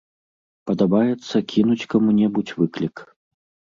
Падабаецца кінуць каму-небудзь выклік.